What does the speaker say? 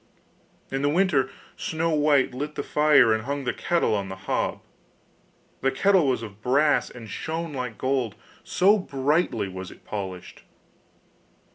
In the winter Snow white lit the fire and hung the kettle on the hob. The kettle was of brass and shone like gold, so brightly was it polished.